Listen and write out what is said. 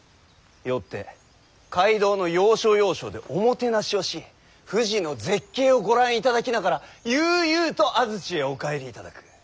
よって街道の要所要所でおもてなしをし富士の絶景をご覧いただきながら悠々と安土へお帰りいただく。